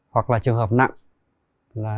hoặc là trường hợp nặng